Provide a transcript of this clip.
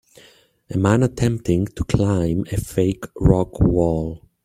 A man attemping to climb a fake rock wall.